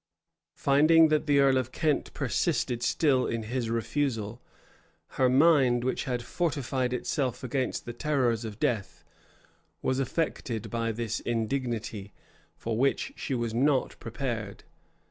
Finding that the earl of Kent persisted still in his refusal, her mind, which had fortified itself against the terrors of death, was affected by this indignity, for which she was not prepared.